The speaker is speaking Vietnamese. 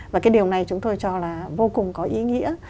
và cái điều này chúng tôi cho là vô cùng có ý nghĩa